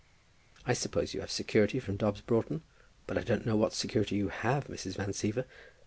I suppose you have security from Dobbs Broughton, but I don't know what security you have, Mrs. Van Siever.